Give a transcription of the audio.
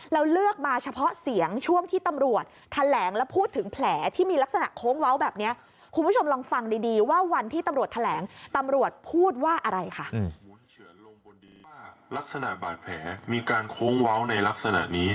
ลักษณะบาดแผลมีการโค้งเว้าในลักษณะนี้